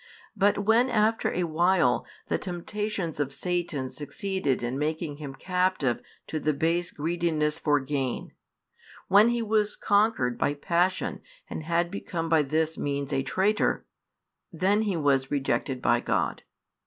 But when after a while the temptations of Satan succeeded in making him captive to base greediness for gain, when he was conquered by passion and had become by this means a traitor, then he was rejected by God.